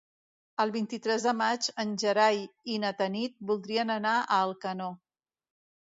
El vint-i-tres de maig en Gerai i na Tanit voldrien anar a Alcanó.